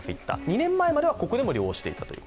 ２年前までは、ここでも漁をしていた。